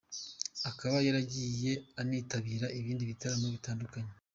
Akaba yaragiye anitabira ibindi bitaramo bitandukanye.